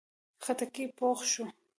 خټکی پوخ شو.